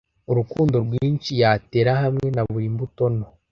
urukundo rwinshi yatera hamwe na buri mbuto nto,